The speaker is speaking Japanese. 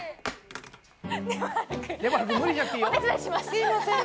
すいません。